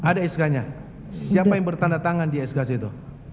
ada sk nya siapa yang bertanda tangan di skc itu